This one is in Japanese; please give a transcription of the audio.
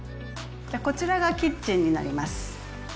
こちらがキッチンになります。